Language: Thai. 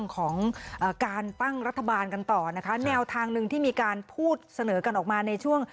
ของการตั้งรัฐบาลกันต่อนะคะแนวทางหนึ่งที่มีการพูดเสนอกันออกมาในช่วง